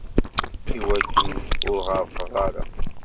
Iwakken ur ɣerrqeɣ ara.